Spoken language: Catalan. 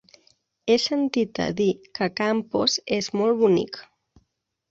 He sentit a dir que Campos és molt bonic.